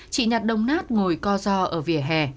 chị nhặt đông nát ngồi co giò ở vỉa hè